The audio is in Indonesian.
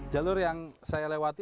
jalur yang saya lewati